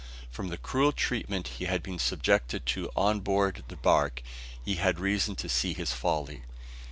From the cruel treatment he had been subjected to on board the bark, he had reason to see his folly.